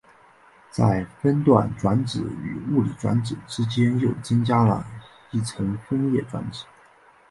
在分段转址与物理地址之间又增加了一层分页转址。